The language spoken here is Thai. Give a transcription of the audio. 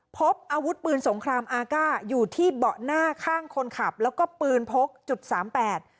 พบอาวุธปืนสงครามอาก้าอยู่ที่เบาะหน้าข้างคนขับแล้วก็ปืนพกจุดสามแปด